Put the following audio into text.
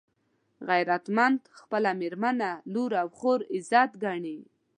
غیرتمند خپله مېرمنه، لور او خور عزت ګڼي